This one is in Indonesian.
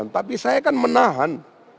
tapi saya kan menahan